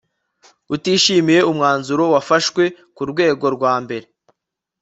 utishimiye umwanzuro wafashwe ku rwego rwa mbere